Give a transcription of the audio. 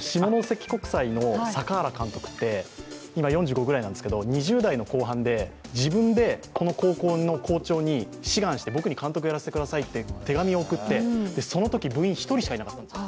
下関国際の監督って今４５ぐらいなんですけど、２０代の後半で自分でこの高校の校長に志願して、僕に監督をやらせてくださいと手紙を送ってそのとき部員１人しかいなかったんです。